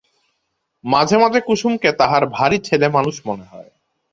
মাঝে মাঝে কুসুমকে তাহার ভারি ছেলেমানুষ মনে হয়।